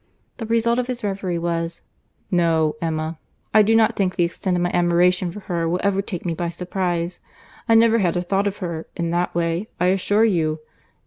The result of his reverie was, "No, Emma, I do not think the extent of my admiration for her will ever take me by surprize.—I never had a thought of her in that way, I assure you."